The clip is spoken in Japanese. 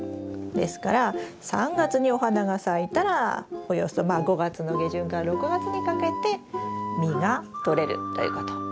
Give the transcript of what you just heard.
ですから３月にお花が咲いたらおよそまあ５月の下旬から６月にかけて実がとれるということ。